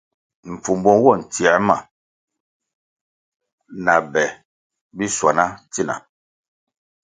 Mpfumbo nwo ntsiē ma na be bishwana tsina.